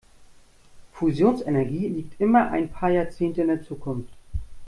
Fusionsenergie liegt immer ein paar Jahrzehnte in der Zukunft.